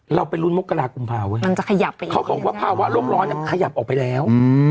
เราเป็นรุ่นมกรากุมภาวเขาบอกว่าภาวะโรคร้อนมันขยับออกไปแล้ว